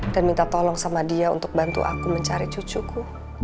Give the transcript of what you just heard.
dan minta tolong sama dia untuk bantu aku mencari cucuku